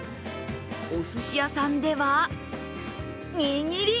おすし屋さんでは握り！